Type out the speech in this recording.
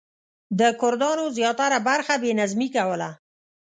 د کردانو زیاتره برخه بې نظمي کوله.